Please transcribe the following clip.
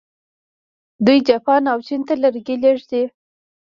دوی جاپان او چین ته لرګي لیږي.